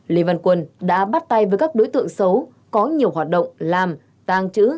lê văn quân đã bắt tay với các đối tượng xấu có nhiều hoạt động làm tàng trữ